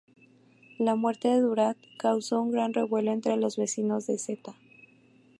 La muerte de Đurađ causó un gran revuelo entre los vecinos de Zeta.